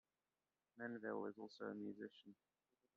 Menville is also a musician.